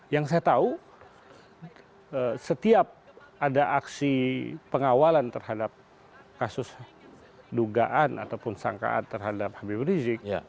yang saya tahu setiap ada aksi pengawalan terhadap kasus dugaan ataupun sangkaan terhadap habib rizik